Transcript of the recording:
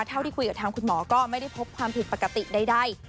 เท่าที่คุยกับทางคุณหมอก็ไม่ได้พบความผิดปกติใด